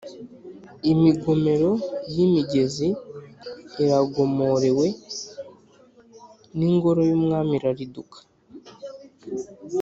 Imigomero y’imigezi iragomorowe n’ingoro y’Umwami irariduka.